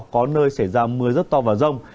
có nơi xảy ra mưa rất to vào rông